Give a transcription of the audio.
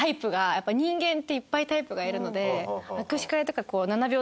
やっぱり人間っていっぱいタイプがいるので。